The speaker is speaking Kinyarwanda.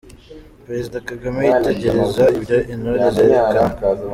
Perezida Kagame yitegereza ibyo Intore zerekanaga.